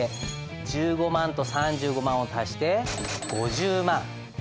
１５万と３５万を足して５０万。